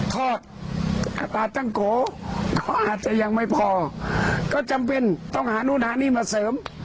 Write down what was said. ทอดอัตราตั้งโกก็อาจจะยังไม่พอก็จำเป็นต้องหานู่นหานี่มาเสริม